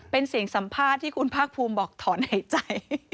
เป็นเสียงสัมภาษณ์ที่คุณภาคภูมิบอกถอนหายใจ